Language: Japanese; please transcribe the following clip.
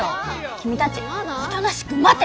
君たちおとなしく待て！